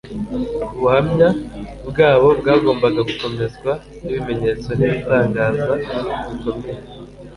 Ubuhamya bwabo bwagombaga gukomezwa n'ibimenyetso n'ibitangaza bikomeye.